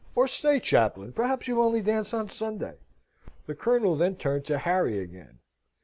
"Or stay, Chaplain, perhaps you only dance on Sunday?" The Colonel then turned to Harry again.